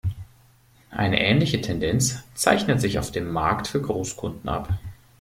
Eine ähnliche Tendenz zeichnet sich auf dem Markt für Großkunden ab.